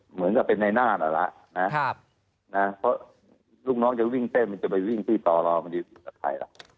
เหมือนกับเป็นในหน้านั่นแหละนะเพราะลูกน้องจะวิ่งเต้นมันจะไปวิ่งที่ต่อรอมันจะติดกับใครล่ะ